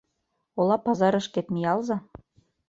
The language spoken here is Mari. Ола пазарышкет миялза.